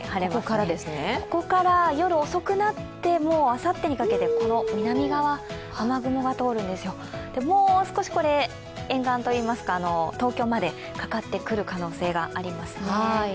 ここから夜遅くなってもうあさってにかけて、南側、雨雲が通るんですよ、もう少し、沿岸といいますか、東京までかかってくる可能性がありますね。